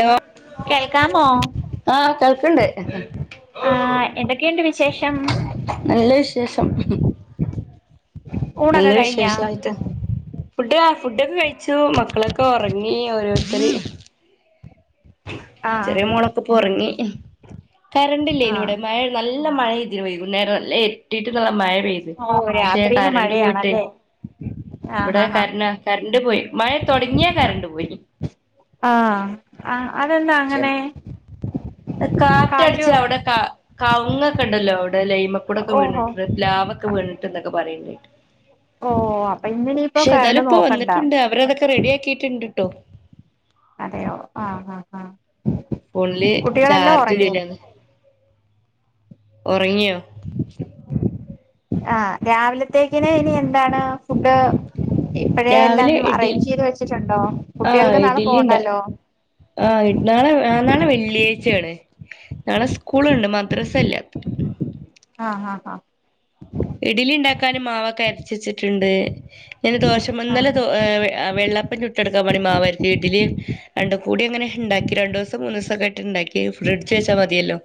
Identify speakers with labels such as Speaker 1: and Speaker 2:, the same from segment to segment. Speaker 1: Law
Speaker 2: കേൾക്കാമോ
Speaker 1: ആഹ് കേൾക്കണ്ട്
Speaker 2: ആഹ് എന്തൊക്കെയുണ്ട് വിശേഷം
Speaker 1: നല്ല വിശേഷം നല്ല
Speaker 2: ഊണൊക്കെ കഴിഞ്ഞാ
Speaker 1: വിശേഷായിട്ട് ഫുഡ് ഫുഡൊക്കെ കഴിച്ചു മക്കളൊക്കെ ഉറങ്ങി ഓരോരുത്തര
Speaker 2: ആഹ്
Speaker 1: ചെറിയ മോളൊക്കെ ഒറങ്ങി കറണ്ട്ല്ലേയന്
Speaker 2: ആഹ്
Speaker 1: ഇവിടെ മഴ നല്ല മഴെയ്തിന് വൈകുന്നേം നല്ല ഇരുട്ടിട്ടുമഴ പെയ്തു
Speaker 2: ഓ
Speaker 1: പക്ഷേ
Speaker 2: രാത്രിയില്
Speaker 1: കരണ്ട് പോയിട്ട്
Speaker 2: മഴയാണല്ലേ ആഹ്
Speaker 1: വിടെ
Speaker 2: ഹാ ഹാ
Speaker 1: കര കരണ്ട് പോയി മഴ തൊടങ്ങിയാ കരണ്ട് പോയി
Speaker 2: ആഹ് ആഹ് അതെന്താ
Speaker 1: പക്ഷെ
Speaker 2: അങ്ങനെ? കാറ്റോ
Speaker 1: കവുങ്ങക്കെ ണ്ടല്ലോ വിടെ ലൈമക്കൂടക്കെ
Speaker 2: ഓഹോ
Speaker 1: വീണിട്ട് പ്ലാവ് ക്കെ വീണി ട്ട് ന്നൊക്കെ പറയ്ന്നേട്ടു
Speaker 2: ഓ അപ്പൊ ഇന്നിനിയിപ്പോ
Speaker 1: ഏതായാലും
Speaker 2: കരണ്ട്
Speaker 1: ഇപ്പോ
Speaker 2: നോക്കണ്ട
Speaker 1: വന്നിട്ടുണ്ട് അവരതൊക്കെ റെഡിയാ ക്കിയിട്ട്ണ്ട് ട്ടോ
Speaker 2: അതെയോ ആഹ് ആഹ് ആഹ്
Speaker 1: ഫുള്ളി
Speaker 2: കുട്ടികളെല്ലാം
Speaker 1: ചാർജ്
Speaker 2: ഒറങ്ങി
Speaker 1: കേരിയാന്ന് ഒറങ്ങിയോ
Speaker 2: ആഹ് രാവിലത്തേക്കിന് ഇനി എന്താണ്? ഫുഡ് ഇപ്പഴേ എല്ലാം
Speaker 1: രാവിലെ ഇഡി
Speaker 2: അറേഞ്ച് ചെയ്ത് വച്ചിട്ടുണ്ടോ
Speaker 1: ആഹ്
Speaker 2: കുട്ടികൾക്ക് നാളെ
Speaker 1: ഇഡ്ലി ഇണ്ട
Speaker 2: പോണ്ടല്ലോ
Speaker 1: ആഹ് നാളെ ആ നാളെ വെള്ളിയാഴ്ച ആ ണ് നാളെ സ്കൂളുണ്ട് മദ്രസ ല്ല
Speaker 2: ആഹ് ആഹ്
Speaker 1: ഇഡലിണ്ടാക്കാന് മാവൊക്കെ യരച്ചിച്ചിട്ട് ണ്ട് എനി ദോശമ്മ ന്നല
Speaker 2: ആഹ്
Speaker 1: ഏഹ് വെള്ളപ്പം ചുട്ടടുക്കാൻ വേണ്ടി മാവരച്ച് ഇഡലി രണ്ട് കൂടി ങ്ങനെ ണ്ടാക്കി രണ്ട് ദിവസം മൂന്ന് ദിവസക്കായിട്ട് ണ്ടക്കി ഫ്രിഡ്ജ് വച്ചാ മതിയല്ലോ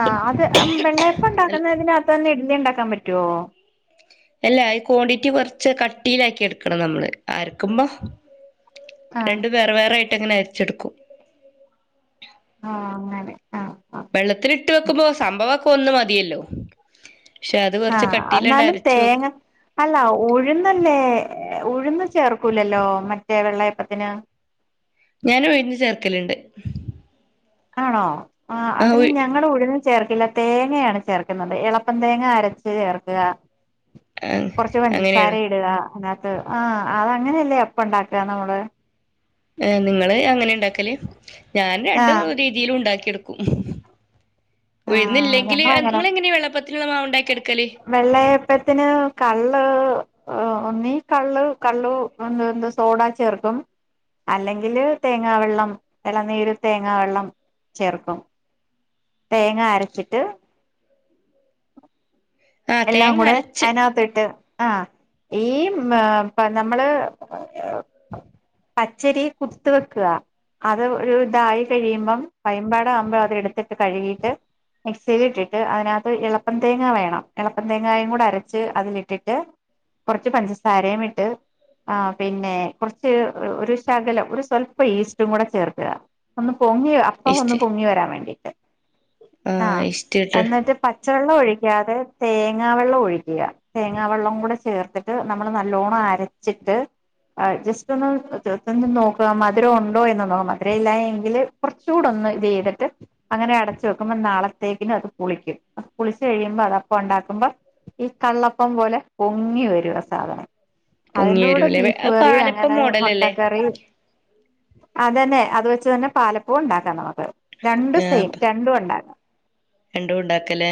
Speaker 2: ആഹ് അത് വെള്ളയപ്പം ഇ ണ്ടാക്കുന്നതിനകത്ത് തന്നെ ഇഡലി ഇ ണ്ടാക്കാൻ പറ്റുവോ?
Speaker 1: എല്ല അയി ക്വാണ്ടിറ്റി കുറച്ച് കട്ടിയിലാക്കി എടുക്കണം നമ്മള് അരക്കുമ്പൊ
Speaker 2: ആ
Speaker 1: രണ്ടും വേറെ വേറെ ആയിട്ടങ്ങനെ അരച്ചെടുക്കും
Speaker 2: ആഹ് അങ്ങനെ ആ ആ
Speaker 1: വെള്ളത്തില് ഇട്ട് വെക്കുമ്പോ സംഭവൊക്കെ ഒന്ന് മതിയല്ലോ ക്ഷെ അത്
Speaker 2: ആ
Speaker 1: കുറച്ച് കട്ടിയിലാണ്ട്
Speaker 2: എന്നാലും
Speaker 1: അരച്ചു വെക്കു
Speaker 2: തേങ്ങ അല്ല ഉഴുന്നല്ലേ ഉഴുന്ന് ചേർക്കൂലല്ലോ മറ്റേ വെള്ളയപ്പത്തിന്
Speaker 1: ഞാനുഴുന്ന് ചേർക്കലിണ്ട്
Speaker 2: ആണോ ആഹ്
Speaker 1: ആ
Speaker 2: അതിന്
Speaker 1: ഉഴു
Speaker 2: ഞങ്ങള് ഉഴുന്ന് ചേർക്കില്ല തേങ്ങയാണ് ചേർക്കുന്നത് എളുപ്പം തേങ്ങ അരച്ച് ചേർക്ക്ക കൊറച്ച് പഞ്ചസാര
Speaker 1: അങ്ങനെയാണ്
Speaker 2: ഇടുക അതിനാത്ത് ആഹ് അത് അങ്ങനെയല്ലേ അപ്പണ്ടാക്ക നമ്മള്
Speaker 1: ഏഹ് നിങ്ങള് അങ്ങനെയാ ഇണ്ടാക്കല് ഞാൻ
Speaker 2: ആ
Speaker 1: രണ്ട് രീതിയിലും ഉണ്ടാക്കിയെടുക്കും
Speaker 2: ആ
Speaker 1: ഉയുന്നില്ലെങ്കില്
Speaker 2: ഞങ്ങളങ്ങനെ
Speaker 1: നിങ്ങളെങ്ങനെയ വെള്ളപ്പത്തിനുള്ള മാവ് ണ്ടാക്കി എടുക്കല്
Speaker 2: വെള്ളയപ്പത്തിന് കള്ള് ഒന്നീ കള്ള് കള്ളു [unintelligible] സോടാ ചേർക്കും അല്ലെങ്കില് തേങ്ങാവെള്ളം എളനീര് തേങ്ങാവെള്ളം ചേർക്കും തേങ്ങാ അരച്ചിട്ട്
Speaker 1: ആ
Speaker 2: എല്ലാം
Speaker 1: തേങ്ങ
Speaker 2: കൂടെ
Speaker 1: അരച്ച്
Speaker 2: അതിനകത്തിട്ട് ആഹ് ഈ പ നമ്മള് പച്ചരി കുതുത്ത് വെക്ക അത് ഒരു ഇതായി കഴിയുമ്പം പയമ്പാട ആവുമ്പോ അത് എടുത്തിട്ട് കഴുകീട്ട് മിക്സിൽ ഇട്ടിട്ട് അതിനകത്ത് എളപ്പം തേങ്ങ വേണം എളപ്പം തേങ്ങായും കൂടെ അരച്ച് അതിലിട്ടിട്ട് കൊറച്ച് പഞ്ചസാരേം ഇട്ട് ആഹ് പിന്നെ കുറച്ച് ഒരു ശകലം ഒരു സ്വല്പം ഈസ്റ്റും കൂടെ ചേർക്ക ഒന്ന് പൊങ്ങി അപ്പം ഒന്ന്
Speaker 1: ഈസ്റ്റ്
Speaker 2: പൊങ്ങി വരാൻ വേണ്ടിട്ട്
Speaker 1: ആ
Speaker 2: ആഹ്
Speaker 1: ഈസ്റ്റ് ഇട്ട്
Speaker 2: എന്നിട്ട് പച്ചവെള്ളം ഒഴിക്കാതെ തേങ്ങാവെള്ളം ഒഴിക്കുക തേങ്ങാവെള്ളം കൂടെ ചേർത്തിട്ട് നമ്മള് നല്ലോണ്ണം അരച്ചിട്ട് ജസ്റ്റ് ഒന്ന് നോക്ക മധുര ഉണ്ടോ എന്നൊ നൊന്ന് മധുര ഇല്ല എങ്കില് കുറച്ചുടൊന്ന് ഒന്ന് ഇത് ചെയ്തിട്ട് അങ്ങനെ അടച്ചു വെക്കുമ്പോ നാളത്തേക്കിന് അത് പുളിക്കും പുളിച്ച് കഴിയുമ്പോ അത് ഉണ്ടാക്കുമ്പോ ഈ കള്ളപ്പം പോലെ പൊങ്ങി വരു ആ സാധനം
Speaker 1: പൊങ്ങി
Speaker 2: അതിന്റുടെ
Speaker 1: വരൂലേ
Speaker 2: ബീഫ് കറി
Speaker 1: പാലപ്പം
Speaker 2: അങ്ങനെ മൊ
Speaker 1: മോഡലല്ലേ
Speaker 2: ട്ടക്കറി അതെന്നെ അത് വെച്ച് തന്നെ പാലപ്പോ ണ്ടാക്കാം നമക്ക് രണ്ടും
Speaker 1: ആ
Speaker 2: സെയിം രണ്ടും ഉണ്ടാക്കാം
Speaker 1: രണ്ടും ഉണ്ടാക്കല്ലേ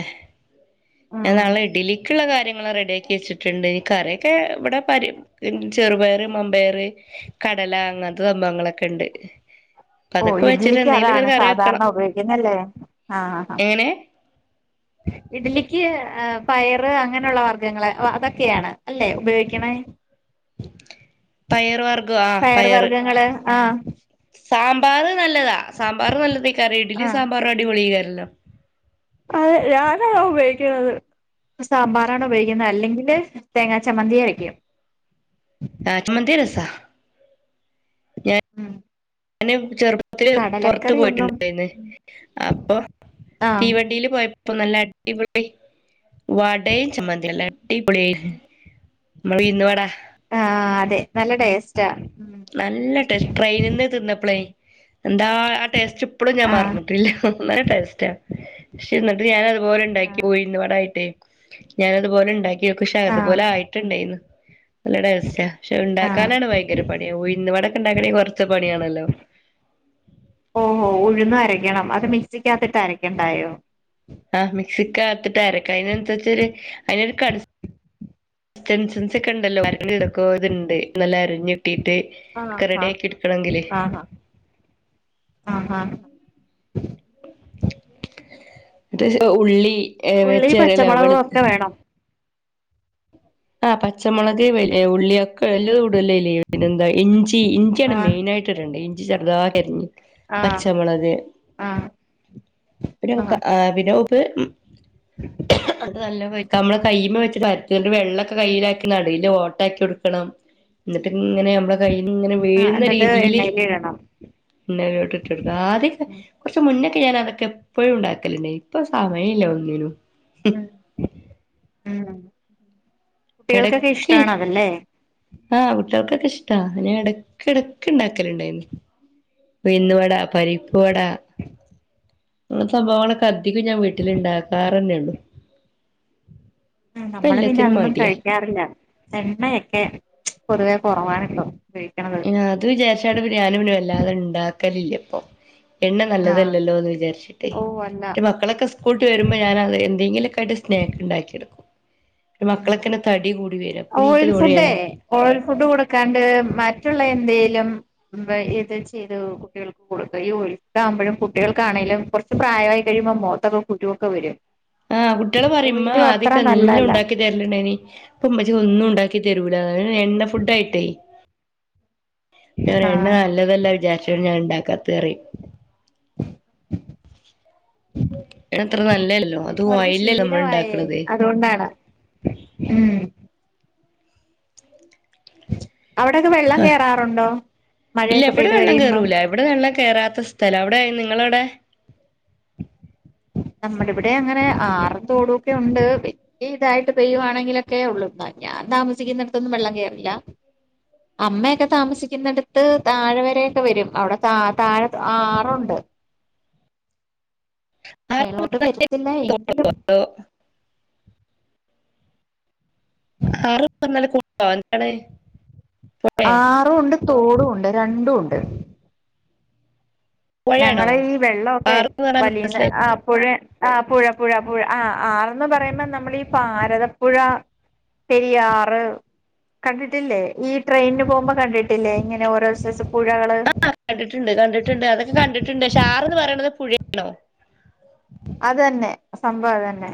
Speaker 1: ഞാൻ
Speaker 2: ഉം
Speaker 1: നാളെ ഇഡിലി ക്കിള്ള കാര്യങ്ങൾ റെഡി ആക്കി വെച്ചിട്ടുണ്ട് നി കറ്യൊക്കെ ഇവിടെ പ ചെറുപയറ് മമ്പയർ കടല അങ്ങനത്തെ സംഭവങ്ങളൊക്കെ ഉണ്ട്
Speaker 2: ഓഹ്
Speaker 1: അതൊക്കെ വെച്ചിട്ട്
Speaker 2: ഇഡ്ലിക്ക്
Speaker 1: എന്തെങ്കിലും
Speaker 2: അതാണ്
Speaker 1: ഒരു കറി വെക്കണം
Speaker 2: സാധാരണ ഉപയോഗിക്കുന്നല്ലേ ആഹ് ആഹ്
Speaker 1: എങ്ങനെ
Speaker 2: [inaudible] ഇഡ്ലിക്ക് പയറ് അങ്ങനെയുള്ള വർഗങ്ങള് അതൊക്കെയാണ് അല്ലേ ഉപയോഗിക്കണ
Speaker 1: പയർ വർഗം ആ
Speaker 2: പയർ
Speaker 1: പയറ്
Speaker 2: വർഗ്ഗങ്ങള് ആഹ്
Speaker 1: സാമ്പാർ നല്ലതാ സാമ്പാർ നല്ലതായി കറി ഇഡ്ലി
Speaker 2: ആഹ്
Speaker 1: സാമ്പാറും അടിപൊളിയക്കാരല്ലോ
Speaker 2: അതെ ഞാനതാ ഉപയോഗിക്ക്ണത് സാമ്പാറാണ് ഉപയോഗിക്കുന്നത് അല്ലെങ്കില് തേങ്ങാ ചമ്മന്തിയരക്കും
Speaker 1: ആഹ് ചമ്മന്തി രസാ
Speaker 2: ഉം
Speaker 1: അയ്ന് ചെറ് ട്ത്ത് പൊറത്ത്
Speaker 2: കടലക്കറിയൊന്നും
Speaker 1: പോയിട്ട്ണ്ടായിന്ന് അപ്പൊ
Speaker 2: ആഹ്
Speaker 1: തീവണ്ടിയില് പോയ പ്പം നല്ല അടിപൊളി വടയും ചമ്മന്തിയല്ലേ? അടിപൊളിയാര്ന്ന് നമ്മളെ ഉഴുന്ന് വടാ
Speaker 2: ആഹ് അതെ നല്ല ടേസ്റ്റാ ഉം
Speaker 1: നല്ല ടേസ്റ്റ് ട്രെയിന്‌ന്ന് തിന്നപ്പളേ എന്താ ആ ടേസ്റ്റ്പ്പളും ഞാൻ
Speaker 2: ആഹ്
Speaker 1: മറന്നിട്ടില്ല നല്ല ടേസ്റ്റാ പക്ഷേ ഇന്നെട്ട് ഞാനതുപോലെണ്ടാക്കി ഉഴ്ന്ന് വടായിട്ടേ ഞാനതുപോലെണ്ടാക്കി ഒക്കെ ഉശാ
Speaker 2: ആഹ്
Speaker 1: അതുപോലായിട്ടുണ്ടായിന്ന് നല്ല ടേസ്റ്റാ പക്ഷെ അഹ്
Speaker 2: ആഹ്
Speaker 1: ഇണ്ടാക്കാനാണ് ഭയങ്കര പണി ഉഴ്‌ന്ന് വടൊക്കെ ഇണ്ടാക്കണെങ്കി കൊറച്ചെ പണിയാണല്ലോ?
Speaker 2: ഓഹ് ഹോ ഉഴുന്നരയ്ക്കണം അത് മിക്സിക്കകത്തിട്ട് അരയ്ക്കണ്ടായോ?
Speaker 1: ആഹ് മിക്സിക്കകത്തിട്ടരക്ക അതിനനുസരിച്ചൊരു അയിനൊരു കൺ ഡിസ്റ്റൻസൻസ് ഒക്കെണ്ടല്ലോ ഒക്കത്ണ്ട് നല്ല അരിഞ്ഞിട്ടിട്ട്
Speaker 2: ആഹ്
Speaker 1: ഒക്കെ
Speaker 2: ആഹ്
Speaker 1: റെഡിയാക്കി എടുക്കണെങ്കില്
Speaker 2: ആഹ് ആഹ് ആഹ്
Speaker 1: ലേശം ഉള്ളി,
Speaker 2: ഉള്ളി
Speaker 1: വെച്ചേറെല,
Speaker 2: പച്ചമുളകും
Speaker 1: വെളു
Speaker 2: ഒക്കെ വേണം
Speaker 1: ആഹ് പച്ചമൊളക്, ഉള്ളിയൊക്കെ എല്ലതും ഇടുവല്ലോ അയില് പിന്നെന്താ ഇഞ്ചി ഇഞ്ചിയാണ്
Speaker 2: ആഹ്
Speaker 1: മെയിനായിട്ട് ഇടെണ്ടിയെ ഇഞ്ചി ചെറുതായരിഞ്ഞ്
Speaker 2: ആഹ്
Speaker 1: പച്ചമുളക്
Speaker 2: ആഹ്
Speaker 1: പിന്നെ മുക്കാ ആഹ് അതിന് മുമ്പ് അത് നല്ലോം കൊയ്ക്ക നമ്മളെ കയ്യ്മ്മെ വെച്ച് പരത്താ ന്ന്ട്ട് വെള്ള ക്കെ കയ്യിലാക്കി നടൂല് ഓട്ടാക്കി കൊടുക്കണം ഇന്ന്ട്ട്ങ്ങനെ നമ്മളെ കൈയ്യിന്ന്ങ്ങനെ
Speaker 2: ആഹ്
Speaker 1: വീഴുന്ന
Speaker 2: എന്നിട്ട്
Speaker 1: രീതിയില്
Speaker 2: എണ്ണയിലിടണം
Speaker 1: എണ്ണയിലോട്ട് ഇട്ടൊട്ക്ക ആദ്യൊക്കെ
Speaker 2: ഉം
Speaker 1: കൊറച്ച് മുന്നൊക്കെ ഞാനതൊക്കെ എപ്പഴും ഇണ്ടാക്കല്ണ്ടേനി ഇപ്പൊ സമയല്ല ഒന്നിനും
Speaker 2: ഉം ഉം കുട്ടികൾക്കൊക്കെ
Speaker 1: എടക്ക്
Speaker 2: ഇഷ്ടമാണ് അതല്ലേ
Speaker 1: ആഹ് കുട്ട്യോൾക്കൊക്കെ ഇഷ്ടാ ഞാൻ എടക്കെടക്ക് ഇണ്ടാക്കല്ണ്ടായീന്നു ഉഴ്ന്ന് വടാ, പരിപ്പുവടാ അങ്ങനെ സംഭവങ്ങളൊക്കെ അധികും ഞാൻ വീട്ടില്ണ്ടാക്കാറന്നെള്ളു
Speaker 2: മ് നമ്മള് പിന്നെ അതൊന്നും കഴി ക്കാറില്ല എണ്ണയൊക്കെ പൊതുവെ കൊറവാണിപ്പൊ ഉപയോഗിക്ക്ണത്
Speaker 1: ആഹ് അത് വിചാരിച്ചാണ്ട് പിന്നെ ഞാനും പിന്നെ വല്ലാതെ ഇണ്ടാക്കലില്ല ഇപ്പൊ എണ്ണ
Speaker 2: ആഹ്
Speaker 1: നല്ലതല്ലല്ലോ എന്ന് വിചാരിച്ചിട്ടേ
Speaker 2: ഓഹ് അല്ല
Speaker 1: മറ്റെ മക്കളൊക്കെ സ്കൂ ൾ വിട്ട് വരുമ്പോ ഞാന് അത് എന്തെങ്കിലൊക്കായിട്ട് സ്നാക്ക്ണ്ടാക്കി കൊടുക്കും ഇപ്പൊ
Speaker 2: ഉം
Speaker 1: മക്കളൊക്കെന്നെ തടി കൂടി വരാ അപ്പനിക്ക്
Speaker 2: ഓയിൽ ഫുഡേ
Speaker 1: തോണിയാണ്
Speaker 2: ഓയിൽ ഫുഡ് കൊടുക്കാണ്ട് മറ്റുള്ള എന്തേലും ഇത് ചെയ്തു കുട്ടികൾക്ക് കൊടുക്ക ഈ കൊഴുപ്പാകുമ്പഴും കുട്ടികൾക്കാണേലും കൊറച്ച് പ്രായമായി കഴിയുമ്പോ മുഖത്തൊക്കെ കുരുവൊക്കെ വരും
Speaker 1: ആഹ് കുട്ട്യാള് പറയും ഇമ്മ
Speaker 2: ഓയിലും അത്ര
Speaker 1: ആദ്യക്കെ എല്ലും
Speaker 2: നല്ലതല്ല
Speaker 1: ഇണ്ടാക്കി തര ല്ണ്ടായിനി ഇപ്പ ഇമ്മച്ചിക്കൊന്നും ഉണ്ടാക്കി തരൂലാന്ന് എ പിന്നെ എണ്ണ ഫുഡായിട്ടേ ഞാ പറിയും എണ്ണ
Speaker 2: ആഹ്
Speaker 1: നല്ലതല്ല വിചാരിചിട്ടാണ് ഞാനത് ഇണ്ടാക്കാത്തെ പറയും എണ്ണ അത്ര നല്ലല്ലോ അത്
Speaker 2: അവർക്ക്
Speaker 1: ഓയിലല്ലേ നമ്മൾ
Speaker 2: ശീലവായേ
Speaker 1: ഉണ്ടാക്കണത്
Speaker 2: അത് കൊണ്ടാണ് ഉം അവിടക്കെ വെള്ളം കേറാറുണ്ടൊ.
Speaker 1: ഇല്ല
Speaker 2: മഴയൊക്കെ
Speaker 1: ഇവിടെ
Speaker 2: പെയ്ത്
Speaker 1: വെള്ളം
Speaker 2: കഴിയുമ്പം.
Speaker 1: കേറൂല ഇവിടെ വെള്ളം കേറാത്ത സ്ഥല അവിടെ നിങ്ങളവിടെ.
Speaker 2: നമ്മുടെ ഇബിടെ അങ്ങനെ ആറു തോടു ഒക്കെ ഉണ്ട്. ഈ ഇതായിട്ട് പെയ്യുവാണെങ്കിലൊക്കെ ഒള്ളു. ഇന്നാലു ഞാൻ താമസിക്കുന്നിടത്തൊന്നും വെള്ളം കേറില്ല. അമ്മയൊക്കെ താമസിക്കുന്നട്ത്ത് താഴെ വരൊക്കെ വെരും. അവിടെ ത താഴെ ആറുണ്ട്. മേലോട്ട് വരത്തില്ല എങ്കിലും
Speaker 1: [unintelligible] [unintelligible] പുഴ
Speaker 2: ആറുംണ്ട് തോടൂണ്ട്. രണ്ടൂണ്ട്.
Speaker 1: പുഴയാണോ
Speaker 2: ഞങ്ങള് ഈ വെള്ളൊക്കെ
Speaker 1: ആറ് എന്ന് പറഞ്ഞാൽ
Speaker 2: വലിയുന്ന
Speaker 1: മനസ്സിലായില്ല
Speaker 2: ആഹ്. പുഴ ആഹ് പുഴ പുഴ പുഴ ആ ആർന്ന് പറയുമ്പ നമ്മളീ പാരതപ്പുഴ. പെരിയാറ്. കണ്ടിട്ടില്ലെ. ഈ ട്രെയിന് പോകുമ്പോ കണ്ടിട്ടില്ലെ. ഇങ്ങനെ ഓരോ സൈസ് പുഴകള്.
Speaker 1: കണ്ടിട്ട്ണ്ട് കണ്ടിട്ട്ണ്ട് അതൊക്കെ കണ്ടിട്ട്ണ്ട്. ഷാർന്ന് പറയ്ണത് പുഴേണോ.
Speaker 2: അത് തന്നെ. സംഭവം അതന്നെ.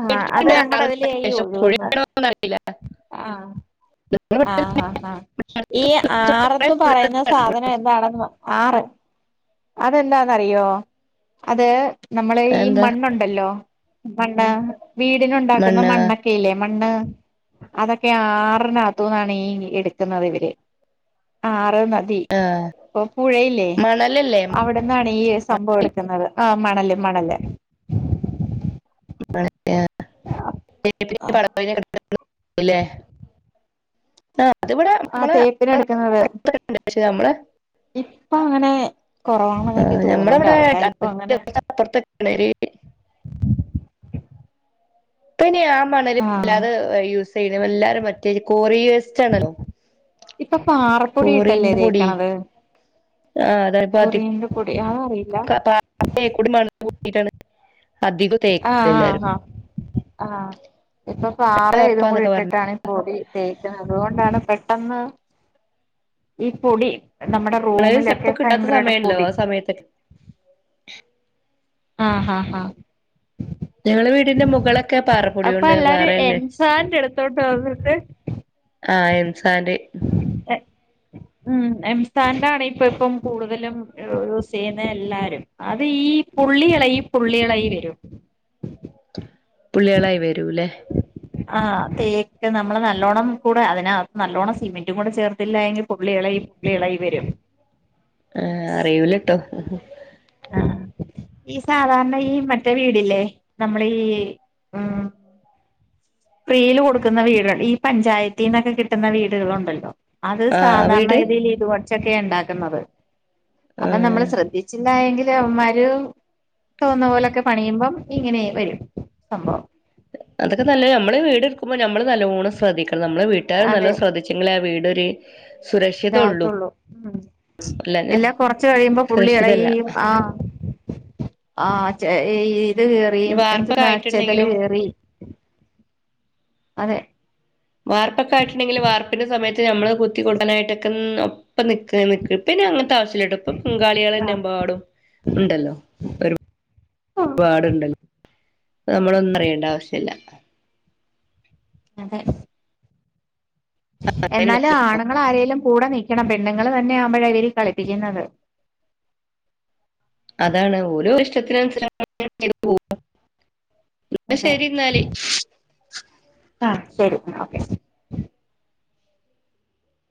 Speaker 2: ആ അത് ഞങ്ങടെ അതിലേ ഈ ഒഴുകുന്നത്
Speaker 1: ഒന്നും അറിയില്ല.
Speaker 2: ആഹ് ആഹ് ഹ ഹാ. ഈ
Speaker 1: കുറേ
Speaker 2: ആറന്ന്
Speaker 1: ദൂരത്ത്
Speaker 2: പറയുന്ന സാധനം എന്താണെന്ന് ആറ്. അതെന്താന്നറിയൊ. അത് നമ്മളെ ഈ
Speaker 1: എന്താ
Speaker 2: മണ്ണുണ്ട് ണ്ടല്ലോ മണ്ണ്. വീടിനുണ്ടാക്കുന്ന
Speaker 1: മണ്ണ
Speaker 2: മണ്ണ് ക്കല്ലേ മണ്ണ് അതൊക്കെ ആറിനകത്തുന്നാണ് ഈ എടുക്കുന്നത് ഇവര് ആറ് നദി. ഇപ്പൊ പുഴയില്ലെ.
Speaker 1: ഇല്ലല്ലെ.
Speaker 2: അവിടെന്നാണ് ഈ സംഭവം എടുക്കുന്നത്. ആ മണല് മണല്.
Speaker 1: മണൽ [unintelligible] [unintelligible] [unintelligible] ആഹ് അതിവിടെ
Speaker 2: ആഹ്
Speaker 1: നമ്മള [unintelligible]
Speaker 2: തേപ്പിനെടുക്കുന്നത്
Speaker 1: [unintelligible] [unintelligible] നമ്മള്
Speaker 2: ഇപ്പ അങ്ങനെ കൊറവാണെന്നെനിക്ക് തോന്ന്ണ്ട്. ആൾക്കാരിപ്പങ്ങനെ.
Speaker 1: അപ്പർത്തക്കണീ [unintelligible] ഇപ്പ അയ്ന് ആ മണല്
Speaker 2: ആഹ്
Speaker 1: അല്ലാതെ യൂസ് ചെയ്യ്ണ് എല്ലാരും മറ്റെ കോറി വേസ്റ്റ് ആണലോ.
Speaker 2: ഇപ്പൊ പാറപ്പൊടി ഇട്ടല്ലേ
Speaker 1: പൊടി
Speaker 2: തേക്ക്ണത്.
Speaker 1: ആഹ് അതാണ്
Speaker 2: കുറി ഇന്റെ പൊടി അഹ് അറിയില്ല.
Speaker 1: അയ് കൂടി മണല് കൂട്ടീട്ടാണ് അധികും.
Speaker 2: ആഹ് ആഹ് ആഹ് ആഹ് ഇപ്പം പാറേ
Speaker 1: നല്ല
Speaker 2: ഇതും കൂടി
Speaker 1: ഒറപ്പാന്നൊക്കെ പറഞ്ഞു
Speaker 2: ഇട്ട്ട്ടാണ്. പൊടി തേക്ക്ണത്. അതോണ്ടാണ് പെട്ടന്ന് ഈ പൊടി നമ്മടെ
Speaker 1: മണല്
Speaker 2: റൂമിലൊക്കെ
Speaker 1: ചെലപ്പോ കിട്ടാത്ത
Speaker 2: ഭയങ്കരയിട്ട്
Speaker 1: സമയണ്ടല്ലോ
Speaker 2: പൊടി.
Speaker 1: ആ സമയത്തൊക്കെ
Speaker 2: ആഹ് ഹഹ ഹഹ
Speaker 1: ഞങ്ങളെ വീടിന്റെ മുകളൊക്കെ പാറ
Speaker 2: അപ്പൊ എല്ലാരും എൻസാന്റ് ഇടുത്തോട്ട് വന്നിട്ട്
Speaker 1: ആഹ് എംസാന്റ്
Speaker 2: എഹ് ഉം എംസാന്റാണ് ഇപ്പം ഇപ്പം കൂടുതലും. യൂസ് ചെയ്യ്ണ എല്ലാരും അത് ഈ പുള്ളി [unintelligible] പുള്ളികളായി വെരും.
Speaker 1: പുള്ളികളായി വരൂല്ലെ.
Speaker 2: [inaudible] ആഹ് തേക്ക് നമ്മള് നല്ലോണം കൂടെ അതിനകത്ത് നല്ലോണ്ണം സിമെന്റും കൂടെ ചേർത്തില്ല എങ്കിൽ പുള്ളികളെ ഇളകി വെരും
Speaker 1: ആ അറിയൂലട്ടോ
Speaker 2: ആ ഈ സാധാര്ണ ഈ മറ്റേ വീടില്ലേ നമ്മള് ഈ ഫ്രീയിൽ കൊടുക്കുന്ന വീടുകൾ ഈ പഞ്ചായത്തിന്നൊക്കെ കിട്ടുന്ന വീടുകളുണ്ടല്ലോ. അത്
Speaker 1: ആഹ്
Speaker 2: സാധാരണ
Speaker 1: വീട്
Speaker 2: ഗതിയിൽ ഇത് വെച്ചൊക്കെ ഇണ്ടാക്കുന്നത് അപ്പ നമ്മൾ
Speaker 1: ആഹ്
Speaker 2: ശ്രദ്ധി ച്ചില്ലായെങ്കില് അവൻമാര് തോന്നുന്ന പോലക്കെ പണിയുമ്പം ഇങ്ങനെ വരും സംഭവം
Speaker 1: അതൊക്കെ നല്ല നമ്മള് വീട് എടുക്കുമ്പോ നമ്മള് നല്ലോണം ശ്രദ്ധിക്കണം നമ്മളെ വീട്ടുകാരും
Speaker 2: അതെ
Speaker 1: നല്ലം ശ്രദ്ധി ച്ചെങ്കിലേ ആ വീട് ഒര്
Speaker 2: ഇതാവത്തള്ളു ഉം
Speaker 1: അല്ലാഞ്ഞ
Speaker 2: എല്ലാം കൊറച്ച് കഴിയുമ്പം പുള്ളി
Speaker 1: സുരക്ഷിതല്ല
Speaker 2: [unintelligible] ആ ആ ചെ ഈത്
Speaker 1: ഇനി
Speaker 2: കേറിയും
Speaker 1: വാർപ്പൊക്കെ
Speaker 2: എന്തെന്നാ ചെതല്
Speaker 1: ആയിട്ടുണ്ടെങ്കിലും
Speaker 2: കേറി അതെ
Speaker 1: വാർപ്പക്കെ ആയിട്ടുണ്ടെങ്കിൽ വാർപ്പിന്റെ സമയത്ത് നമ്മള് കുത്തി കൊടുക്കാനായിട്ടക്കെന്നോ ഇപ്പ നിക്ക് നിക്കട്ട് പിന്നെ അങ്ങൻത്തെ ആവശ്യ ഇല്ലട്ടോ ഇപ്പം ബംഗാളികളന്നെ എമ്പാടും ഇണ്ടല്ലോ വ പാട്ണ്ടല്ലോ അഹ് നമ്മളൊന്നും അറിയേണ്ട ആവശ്യല്ല.
Speaker 2: അതെ എന്നാല് ആണ്ങ്ങള് ആരേലും കൂടെ നിൽക്കണം പെണ്ണുങ്ങൾ തന്നെയ ആവുമ്പഴ ഇവര് കളിപ്പിക്കുന്നത്.
Speaker 1: അതാണ് ഓല് ഒര് [unintelligible]
Speaker 2: അതെ
Speaker 1: എന്നാല്
Speaker 2: ആ ശരി ഇന്ന ഓക്കെ.